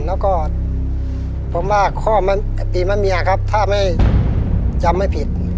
แล้วก็ผมว่าข้อตีมะเมียครับถ้าไม่จำไม่ผิด